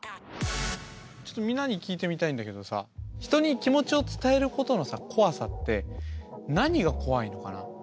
ちょっとみんなに聞いてみたいんだけどさ人に気持ちを伝えることの怖さって何が怖いのかな。